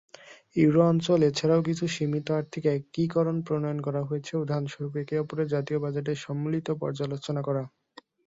Euro অঞ্চল এছাড়াও কিছু সীমিত আর্থিক একীকরণ প্রণয়ন করা হয়েছে, উদাহরণস্বরূপ, একে অপরের জাতীয় বাজেটের সম্মিলিত পর্যালোচনা করা।